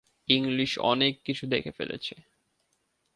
English অনেক কিছু দেখে ফেলেছে।